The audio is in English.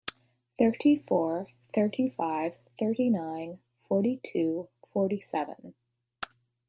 Thirty-four, thirty-five, thirty-nine, forty-two, forty-seven.